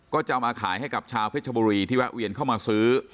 ก็จะเอามาขายให้กับชาวเพชรบุรีที่แวะเวียนเข้ามาซื้อ